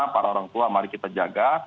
para orang tua mari kita jaga